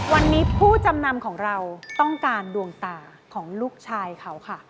วันนี้ผู้จำนำของเราต้องการดวงตาของลูกชายเขาค่ะ